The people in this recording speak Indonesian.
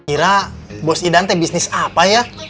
ira bos idante bisnis apa ya